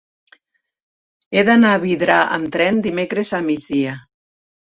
He d'anar a Vidrà amb tren dimecres al migdia.